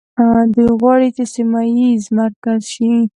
دوی غواړي چې سیمه ییز مرکز شي.